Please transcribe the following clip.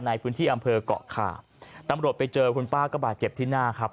ในพื้นที่อำเภอกเกาะขาตำรวจไปเจอคุณป้าก็บาดเจ็บที่หน้าครับ